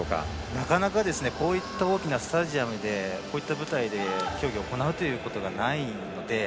なかなかこういった大きなスタジアムでこういった舞台で競技を行うということがないので。